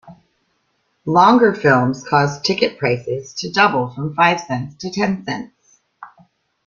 Longer films caused ticket prices to double from five cents to ten cents.